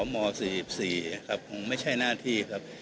ม๔๔ครับคงไม่ใช่หน้าที่ครับ